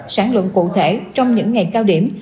sản luận cụ thể trong những ngày cao điểm